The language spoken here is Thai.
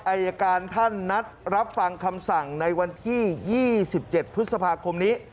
อายการท่านนัดรับฟังคำสั่งในวันที่๒๗พฤษภาคมนี้